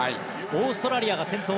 オーストラリアが先頭。